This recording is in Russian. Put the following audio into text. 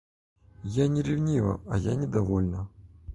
Я не ревнива, а я недовольна.